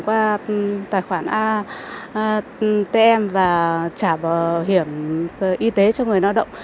qua tài khoản atm và trả bảo hiểm y tế cho người lao động